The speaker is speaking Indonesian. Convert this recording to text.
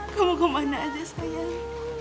kamu kemana aja sayang